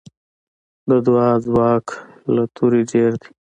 د دعا ځواک له توره ډېر دی.